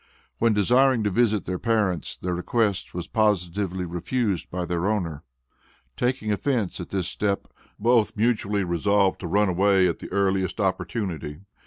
When desiring to visit their parents, their request was positively refused by their owner. Taking offence at this step, both mutually resolved to run away at the earliest opportunity.